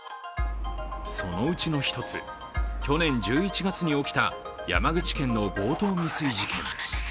そのうちの一つ、去年１１月に起きた山口県の強盗未遂事件。